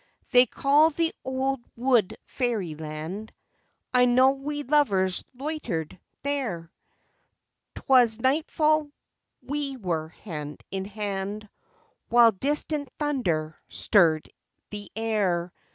They call the old wood Fairy land : I know we lovers loitered there : 'T was nightfall ; we were hand in hand ; While distant thunder stirred the air.